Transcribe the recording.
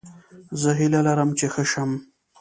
زه هیله لرم چې ښه شم